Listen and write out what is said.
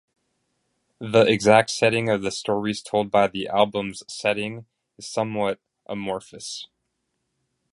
The exact setting of the stories told by the album's setting is somewhat amorphous.